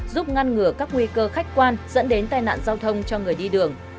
giúp ngăn ngừa các nguy cơ khách quan dẫn đến tai nạn giao thông cho người đi đường